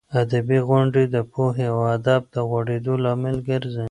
ادبي غونډې د پوهې او ادب د غوړېدو لامل ګرځي.